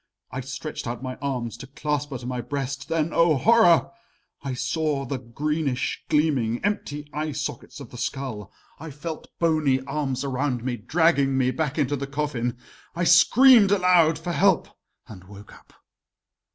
I stretched out my arms to clasp her to my breast then, oh horror! I saw the greenish gleaming, empty eye sockets of the skull. I felt bony arms around me, dragging me back into the coffin. I screamed aloud for help and woke up.